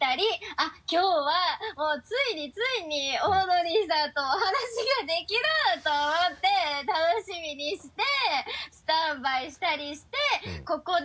「あっきょうはもうついについにオードリーさんとお話ができる！」と思って楽しみにしてスタンバイしたりしてここで。